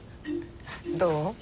どう？